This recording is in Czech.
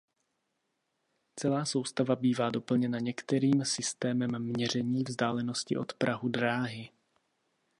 Celá soustava bývá doplněna některým systémem měření vzdálenosti od prahu dráhy.